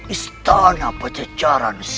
istana pajajaran siliwangi